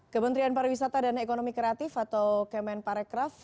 kementerian pariwisata dan ekonomi kreatif atau kemen parekraf